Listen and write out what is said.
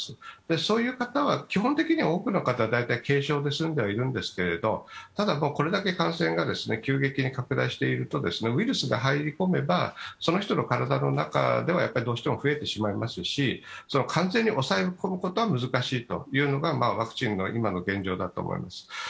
そういう方は、基本的には多くの方は軽症で済んでいるんですけどただ、これだけ感染が急激に拡大しているとウイルスが入り込めば、その人の体の中ではどうしても増えてしまいますし、完全に押さえ込むのは難しいというのがワクチンの今の現状だと思います。